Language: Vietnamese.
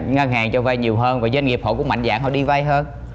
ngân hàng cho vay nhiều hơn và doanh nghiệp họ cũng mạnh dạng họ đi vay hơn